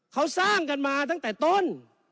เขาสร้างกันมาตั้งแต่ต้น